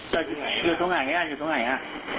แต่อยู่ตรงไหนอยู่ตรงไหนฮะ